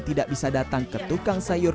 tidak bisa datang ke tukang sayur